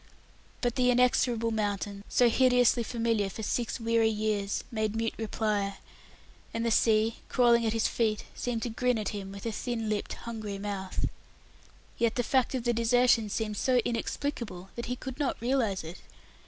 But the inexorable mountains, so hideously familiar for six weary years, made mute reply, and the sea, crawling at his feet, seemed to grin at him with a thin lipped, hungry mouth. Yet the fact of the desertion seemed so inexplicable that he could not realize it.